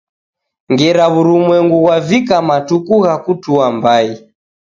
Ngera w'urumwengu ghwavika matuku gha kutua mbai